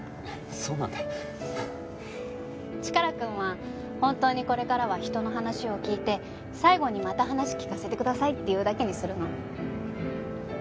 チカラくんは本当にこれからは人の話を聞いて最後に「また話聞かせてください」って言うだけにするの？